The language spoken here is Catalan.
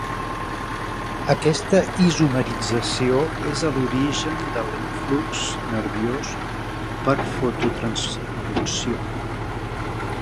Aquesta isomerització és a l'origen de l'influx nerviós per fototransducció.